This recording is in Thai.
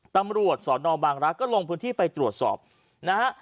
ตำรวจสอนอบางรักษ์ก็ลงพื้นที่ไปตรวจสอบนะฮะ